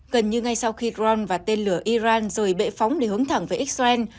gần như ngay sau khi dron và tên lửa iran rời bệ phóng để hướng thẳng về israel